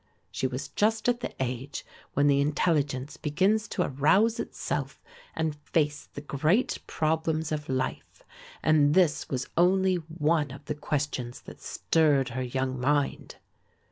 She was just at the age when the intelligence begins to arouse itself and face the great problems of life and this was only one of the questions that stirred her young mind.